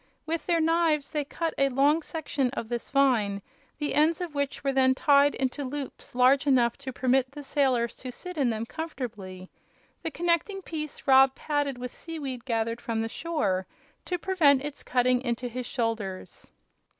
With their knives they cut a long section of this vine, the ends of which were then tied into loops large enough to permit the sailors to sit in them comfortably. The connecting piece Rob padded with seaweed gathered from the shore, to prevent its cutting into his shoulders.